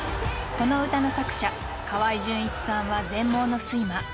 この歌の作者河合純一さんは全盲のスイマー。